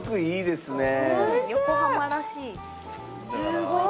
すごい。